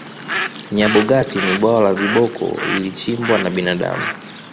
nyabogati ni bwawa la viboko lilichimbwa na binadamu